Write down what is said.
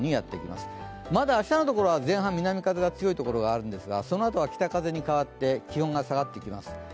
まだ明日のところは前半、南風、弱いところがあるんですがそのあとは北風に変わって気温が下がってきます。